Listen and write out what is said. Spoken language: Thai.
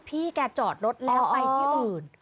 พี่แกจอดรถแล้วไปที่อื่น